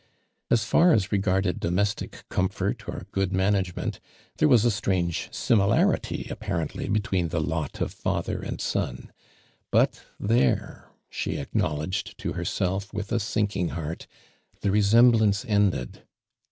As far as regai ded domestic com fort or good management, there was a strange similarity apparently between the lot of father and son, but there, she ac knowledged to herself with a sinking heart, the resemblance ended.